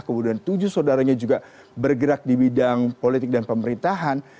kemudian tujuh saudaranya juga bergerak di bidang politik dan pemerintahan